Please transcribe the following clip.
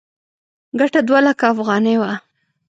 ګټه دوه لکه افغانۍ وه.